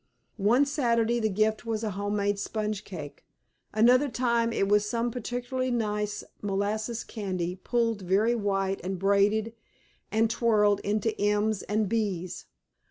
One Saturday the gift was a home made sponge cake. Another time it was some particularly nice molasses candy, pulled very white, and braided and twirled into M's and B's.